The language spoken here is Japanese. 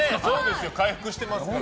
回復していますからね。